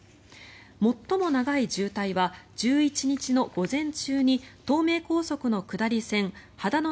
最も長い渋滞は１１日の午前中に東名高速の下り線秦野